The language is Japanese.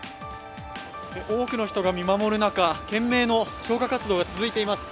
多くの人が見守る中懸命の消火活動が続いています。